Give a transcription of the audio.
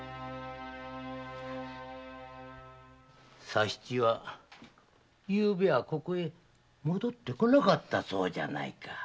佐七は昨夜ここへ戻って来なかったそうじゃないか。